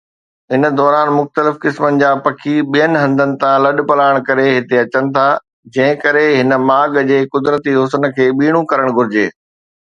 ان دوران مختلف قسمن جا پکي ٻين هنڌن تان لڏپلاڻ ڪري هتي اچن ٿا، جنهن ڪري هن ماڳ جي قدرتي حسن کي ٻيڻو ڪرڻ گهرجي.